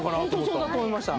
本当そうだと思いました。